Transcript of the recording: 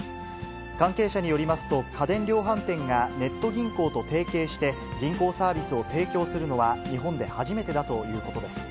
関係者によりますと、家電量販店がネット銀行と提携して、銀行サービスを提供するのは日本で初めてだということです。